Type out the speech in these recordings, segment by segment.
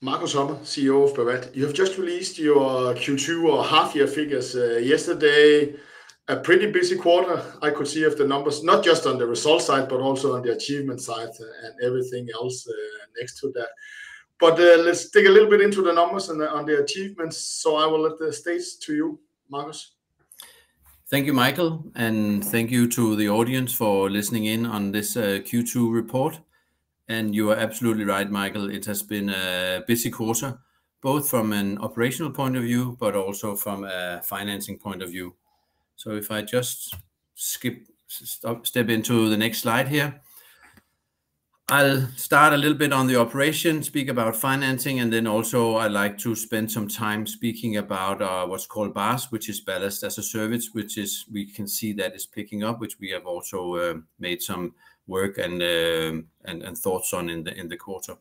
Marcus Hummer, CEO of Bawat. You have just released your Q2 or half-year figures yesterday. A pretty busy quarter, I could see of the numbers, not just on the result side, but also on the achievement side and everything else next to that. Let's dig a little bit into the numbers and on the achievements, so I will leave the stage to you, Marcus. Thank you, Michael, and thank you to the audience for listening in on this Q2 report. You are absolutely right, Michael, it has been a busy quarter, both from an operational point of view, but also from a financing point of view. If I just skip, step into the next slide here. I'll start a little bit on the operation, speak about financing, and then also I'd like to spend some time speaking about what's called BaaS, which is Ballast as a Service, which is, we can see that is picking up, which we have also made some work and, and thoughts on in the, in the quarter.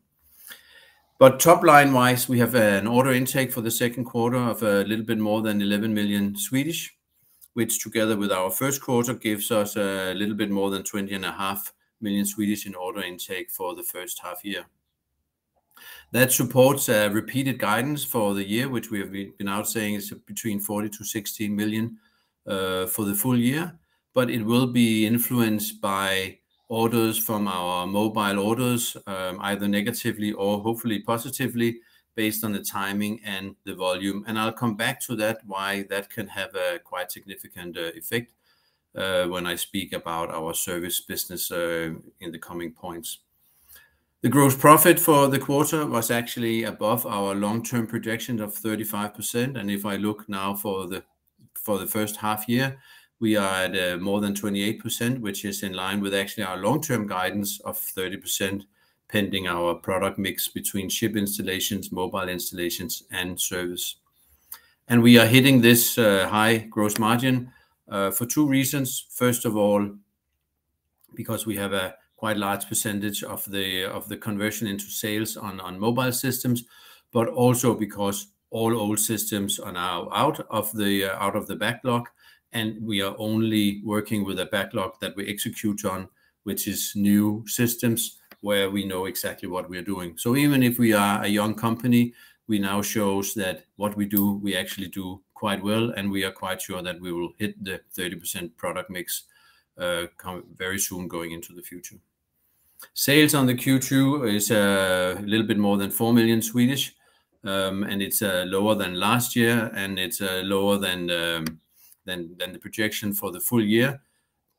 Top-line wise, we have an order intake for the second quarter of a little bit more than 11 million SEK, which, together with our first quarter, gives us a little bit more than 20.5 million SEK in order intake for the first half year. That supports a repeated guidance for the year, which we have been, been out saying is between 40 million SEK-60 million SEK for the full year, but it will be influenced by orders from our mobile orders, either negatively or hopefully positively, based on the timing and the volume. I'll come back to that, why that can have a quite significant effect when I speak about our service business in the coming points. The gross profit for the quarter was actually above our long-term projections of 35%. If I look now for the, for the first-half year, we are at more than 28%, which is in line with actually our long-term guidance of 30%, pending our product mix between ship installations, mobile installations, and service. We are hitting this high gross margin for two reasons. First of all, because we have a quite large percentage of the, of the conversion into sales on, on mobile systems, but also because all old systems are now out of the, out of the backlog, and we are only working with a backlog that we execute on, which is new systems where we know exactly what we are doing. Even if we are a young company, we now shows that what we do, we actually do quite well, and we are quite sure that we will hit the 30% product mix come very soon going into the future. Sales on the Q2 is a little bit more than 4 million SEK, and it's lower than last year, and it's lower than the projection for the full year.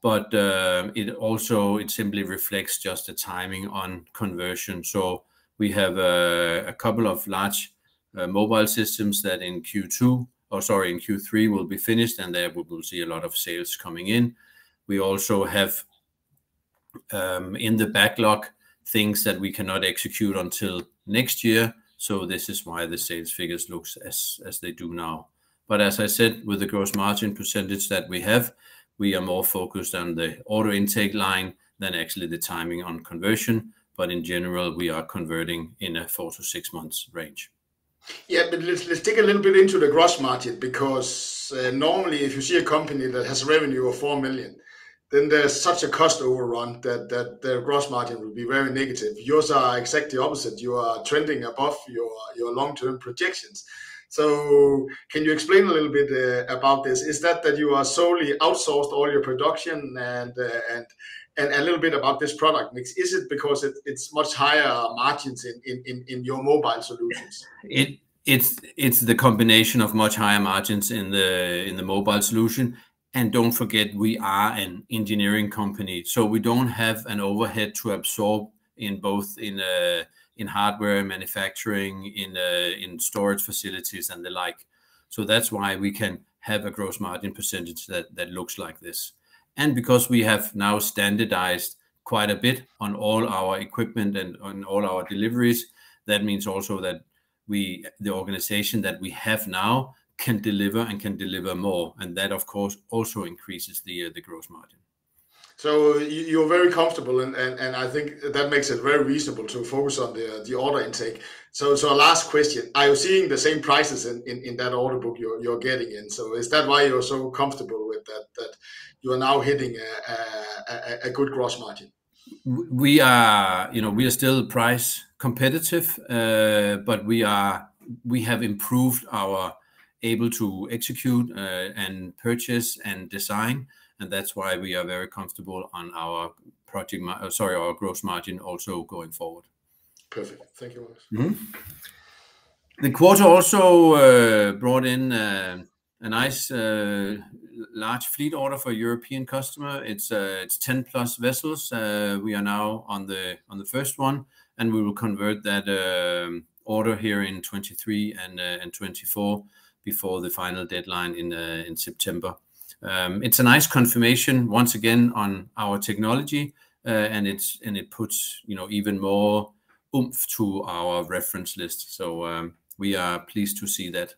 It also, it simply reflects just the timing on conversion. We have a couple of large mobile systems that in Q2, or sorry, in Q3, will be finished, and there we will see a lot of sales coming in. We also have in the backlog, things that we cannot execute until next year, so this is why the sales figures looks as, as they do now. As I said, with the gross margin percentage that we have, we are more focused on the order intake line than actually the timing on conversion. In general, we are converting in a four to six months range. Let's, let's dig a little bit into the gross margin, because normally, if you see a company that has a revenue of $4 million, then there's such a cost overrun that, that the gross margin will be very negative. Yours are exactly opposite. You are trending above your, your long-term projections. Can you explain a little bit about this? Is that, that you are solely outsourced all your production and, and a little bit about this product mix? Is it because it's much higher margins in, in, in, in your mobile solutions? It, it's, it's the combination of much higher margins in the, in the mobile solution. Don't forget, we are an engineering company, we don't have an overhead to absorb in both in hardware manufacturing, in storage facilities, and the like. That's why we can have a gross margin percentage that, that looks like this. Because we have now standardized quite a bit on all our equipment and on all our deliveries, that means also that we, the organization that we have now, can deliver and can deliver more, and that, of course, also increases the gross margin. You, you're very comfortable, and, and, and I think that makes it very reasonable to focus on the order intake. Last question: Are you seeing the same prices in, in, in that order book you're, you're getting in? Is that why you're so comfortable with that, that you are now hitting a good gross margin? We are, you know, we are still price competitive, but we have improved our able to execute, and purchase, and design, and that's why we are very comfortable on our project mar-, sorry, our gross margin also going forward. Perfect. Thank you, Marcus. The quarter also brought in a nice large fleet order for a European customer. It's 10 plus vessels. We are now on the first one, and we will convert that order here in 2023 and 2024, before the final deadline in September. It's a nice confirmation once again on our technology, and it's and it puts, you know, even more oomph to our reference list. We are pleased to see that.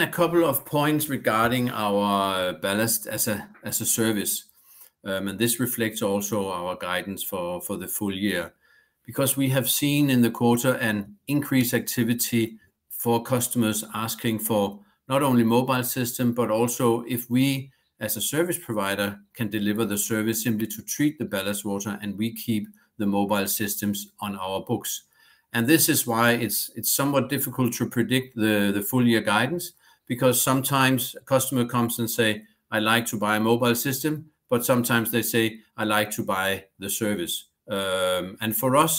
A couple of points regarding our Ballast as a Service, and this reflects also our guidance for the full year. Because we have seen in the quarter an increased activity-... for customers asking for not only mobile system, but also if we, as a service provider, can deliver the service simply to treat the ballast water, and we keep the mobile systems on our books. This is why it's, it's somewhat difficult to predict the, the full year guidance, because sometimes a customer comes and say, "I'd like to buy a mobile system," but sometimes they say, "I'd like to buy the service." And for us,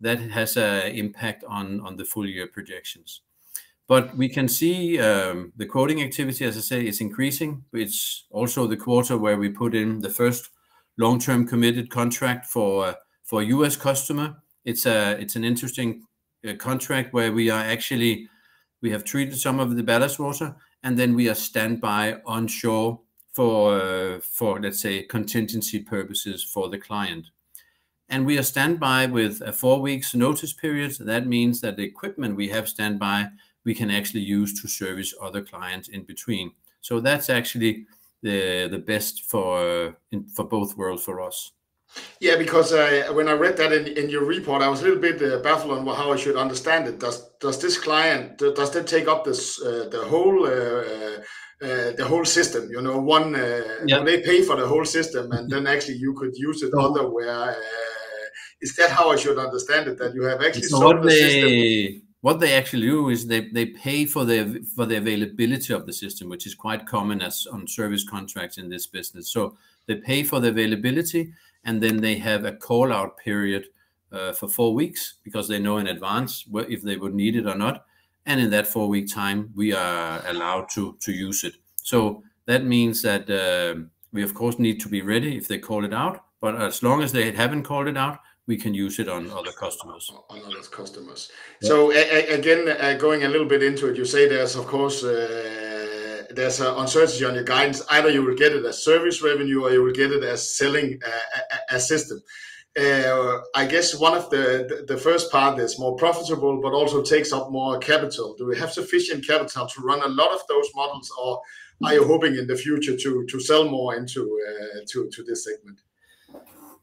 that has a impact on, on the full year projections. We can see, the quoting activity, as I say, is increasing, which also the quarter where we put in the first long-term committed contract for a, for a U.S. customer. It's a, it's an interesting contract where we are actually we have treated some of the ballast water, and then we are standby on shore for, for, let's say, contingency purposes for the client. We are standby with a four weeks notice period, that means that the equipment we have standby, we can actually use to service other clients in between. That's actually the, the best for, in, for both worlds for us. Yeah, because when I read that in, in your report, I was a little bit baffled on how I should understand it. Does, does this client, does that take up this, the whole, the whole system, you know, one? Yeah... they pay for the whole system, and then actually you could use it other where, is that how I should understand it, that you have actually sold the system? What they, what they actually do is they, they pay for the for the availability of the system, which is quite common as on service contracts in this business. They pay for the availability, and then they have a call-out period, for four weeks, because they know in advance if they would need it or not, and in that four-week time, we are allowed to, to use it. That means that, we of course, need to be ready if they call it out, but as long as they haven't called it out, we can use it on other customers. On other customers. Yeah. Again, going a little bit into it, you say there's, of course, there's an uncertainty on your guidance. Either you will get it as service revenue, or you will get it as selling, a system. I guess one of the, the, the first part is more profitable but also takes up more capital. Do we have sufficient capital to run a lot of those models, or are you hoping in the future to, to sell more into, to, to this segment?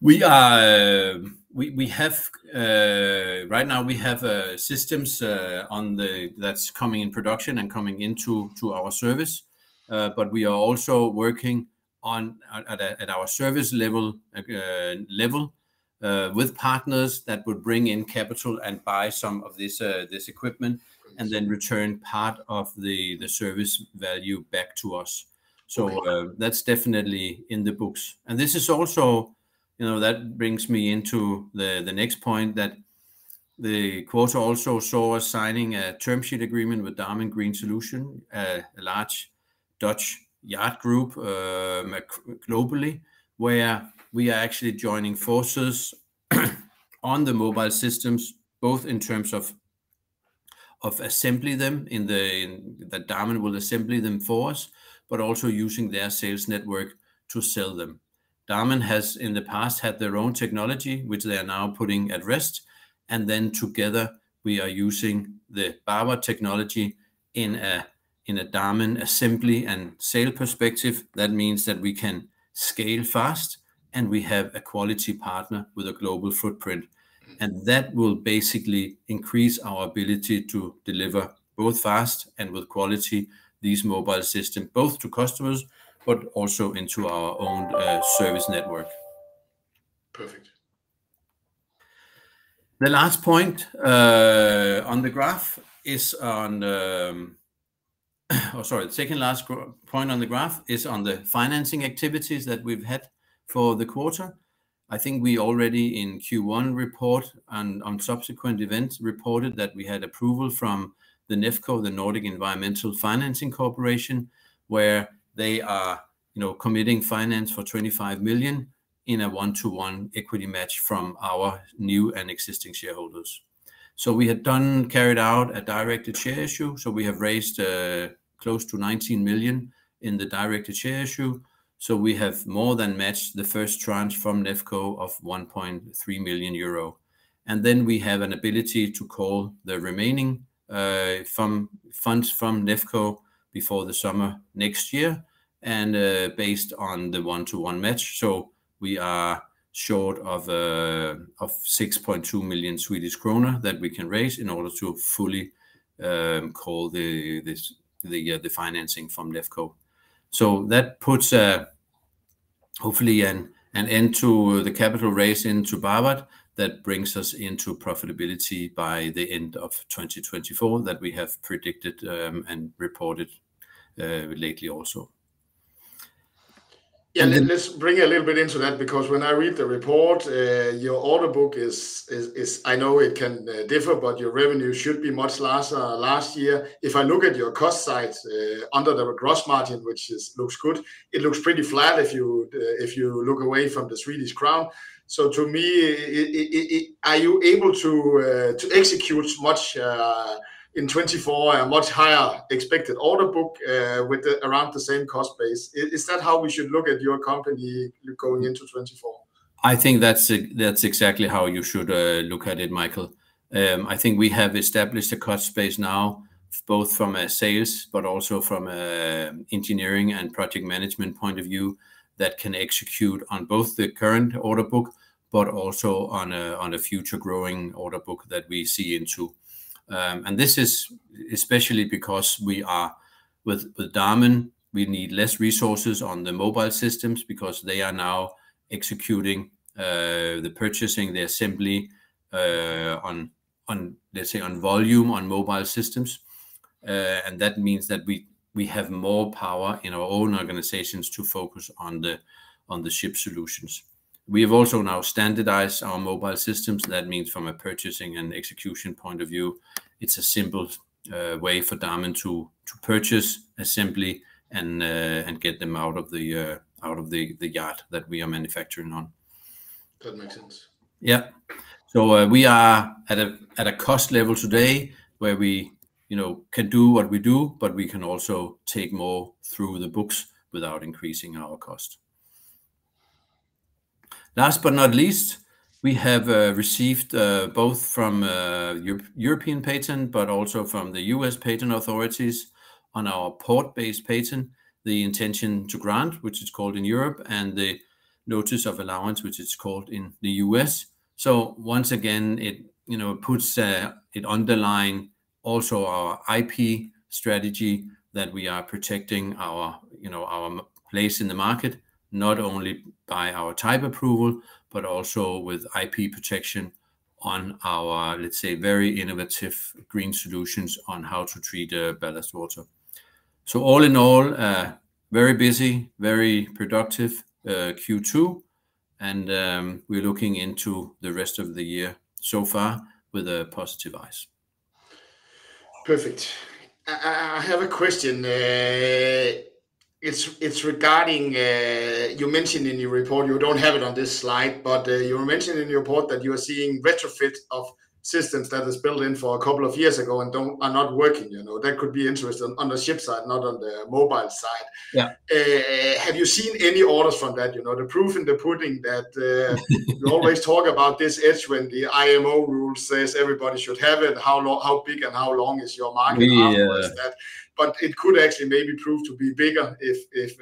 We are, we, we have, right now we have systems that's coming in production and coming into our service. We are also working on at a, at our service level with partners that would bring in capital and buy some of this equipment, and then return part of the service value back to us. Right. That's definitely in the books. This is also, you know, that brings me into the, the next point, that the quarter also saw us signing a term sheet agreement with Damen Green Solutions, a large Dutch yacht group, globally, where we are actually joining forces, on the mobile systems, both in terms of, of assembly them in the, the Damen will assembly them for us, but also using their sales network to sell them. Damen has, in the past, had their own technology, which they are now putting at rest, and then together we are using the Bawat technology in a, in a Damen assembly and sale perspective. That means that we can scale fast, and we have a quality partner with a global footprint. Mm. That will basically increase our ability to deliver both fast and with quality, these mobile systems, both to customers but also into our own service network. Perfect. The last point on the graph is on, or sorry, the second last point on the graph is on the financing activities that we've had for the quarter. I think we already in Q1 report and on subsequent events, reported that we had approval from Nefco, the Nordic Environment Finance Corporation, where they are, you know, committing finance for 25 million in a one-to-one equity match from our new and existing shareholders. We had done, carried out a directed share issue, we have raised close to 19 million in the directed share issue. We have more than matched the first tranche from Nefco of 1.3 million euro. We have an ability to call the remaining funds from Nefco before the summer next year, and based on the one-to-one match. We are short of 6.2 million Swedish kronor that we can raise in order to fully call the financing from Nefco. That puts a, hopefully an end to the capital raise into Bawat. That brings us into profitability by the end of 2024, that we have predicted and reported lately also. Yeah, let's bring a little bit into that, because when I read the report, your order book is- I know it can differ, but your revenue should be much less last year. If I look at your cost side, under the gross margin, which looks good, it looks pretty flat if you look away from the Swedish Crown. To me, are you able to execute much in 2024, a much higher expected order book, with the around the same cost base? Is that how we should look at your company going into 2024? I think that's ex- that's exactly how you should look at it, Michael. I think we have established a cost base now, both from a sales but also from a engineering and project management point of view, that can execute on both the current order book but also on a, on a future growing order book that we see into 2025. This is especially because we are, with, with Damen, we need less resources on the mobile systems because they are now executing the purchasing, the assembly, on, on, let's say, on volume, on mobile systems. That means that we, we have more power in our own organizations to focus on the, on the ship solutions. We have also now standardized our mobile systems. That means from a purchasing and execution point of view, it's a simple way for Damen to, to purchase assembly and and get them out of the out of the, the yard that we are manufacturing on. That makes sense. We are at a, at a cost level today where we, you know, can do what we do, but we can also take more through the books without increasing our cost. Last but not least, we have received both from European Patent, but also from the U.S. Patent Authorities on our port-based patent, the Intention to Grant, which is called in Europe, and the Notice of Allowance, which it's called in the U.S. Once again, it, you know, puts, it underline also our IP strategy, that we are protecting our, you know, our place in the market, not only by our type approval, but also with IP protection on our, let's say, very innovative green solutions on how to treat ballast water. All in all, a very busy, very productive, Q2, and we're looking into the rest of the year so far with a positive eyes. Perfect. I have a question. It's regarding, you mentioned in your report, you don't have it on this slide, but you mentioned in your report that you are seeing retrofit of systems that is built in for a couple of years ago and are not working. You know, that could be interesting on the ship side, not on the mobile side. Yeah. Have you seen any orders from that? You know, the proof in the pudding that you always talk about this is when the IMO rule says everybody should have it. How long, how big and how long is your market- Yeah afterwards that? It could actually maybe prove to be bigger if, if,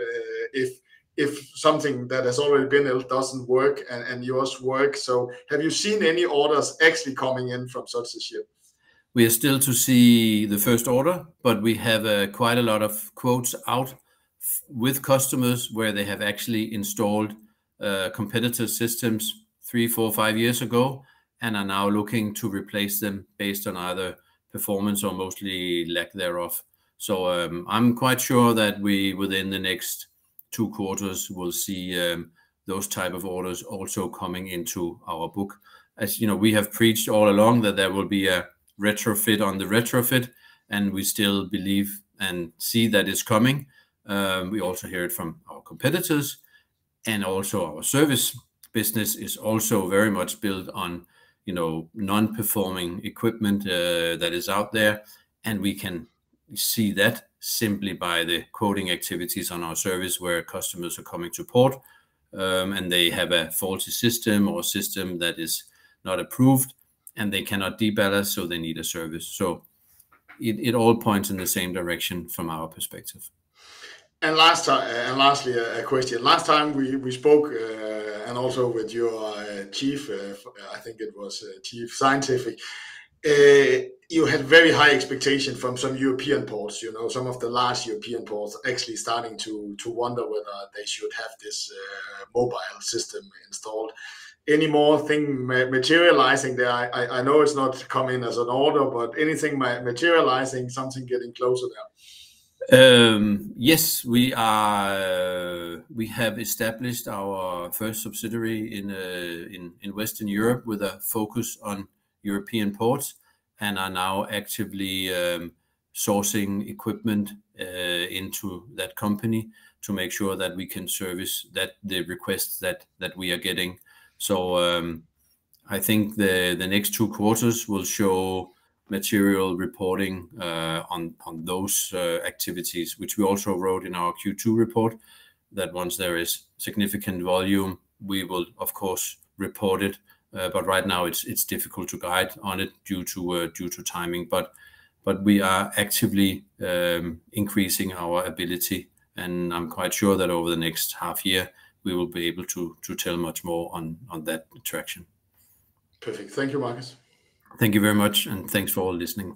if, if something that has already been built doesn't work and, and yours work. Have you seen any orders actually coming in from such a ship? We are still to see the first order. We have quite a lot of quotes out with customers where they have actually installed competitor systems three, four, five years ago, and are now looking to replace them based on either performance or mostly lack thereof. I'm quite sure that we, within the next two quarters, will see those type of orders also coming into our book. You know, we have preached all along that there will be a retrofit on the retrofit, and we still believe and see that it's coming. We also hear it from our competitors, and also our service business is also very much built on, you know, non-performing equipment that is out there. We can see that simply by the quoting activities on our service, where customers are coming to port, and they have a faulty system or system that is not approved, and they cannot de-ballast, so they need a service. It, it all points in the same direction from our perspective. Lastly, a question. Last time we spoke, and also with your chief, I think it was chief scientific, you had very high expectation from some European ports. You know, some of the large European ports actually starting to wonder whether they should have this mobile system installed. Any more thing materializing there? I know it's not come in as an order, but anything materializing, something getting closer there? Yes, we have established our first subsidiary in Western Europe with a focus on European ports, and are now actively sourcing equipment into that company to make sure that we can service that, the requests that we are getting. I think the next two quarters will show material reporting on those activities, which we also wrote in our Q2 report, that once there is significant volume, we will of course report it. Right now it's difficult to guide on it due to due to timing. We are actively increasing our ability, and I'm quite sure that over the next half year, we will be able to tell much more on that traction. Perfect. Thank you, Marcus. Thank you very much, and thanks for all listening.